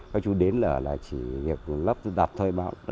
các chú đến là chỉ việc lắp đặt thôi bảo